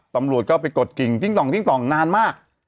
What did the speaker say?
ตำรวจก็ไปกดกิ่งติ้งต่องติ้งต่องนานมาก